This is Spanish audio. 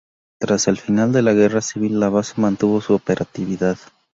Tras el final de la Guerra Civil, la base mantuvo su operatividad.